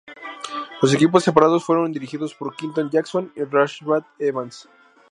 Los equipos separados fueron dirigidos por Quinton Jackson y Rashad Evans.